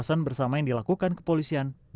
sudah tidak boleh kedua illegal